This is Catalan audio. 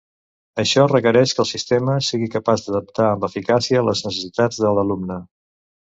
Això requereix que el sistema sigui capaç d'adaptar amb eficàcia les necessitats de l'alumne.